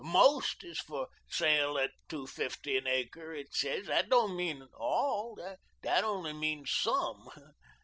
'MOST is for sale at two fifty an acre,' it says. That don't mean 'ALL,' that only means SOME.